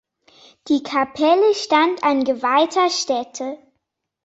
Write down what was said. Die Kapelle stand an geweihter Stätte.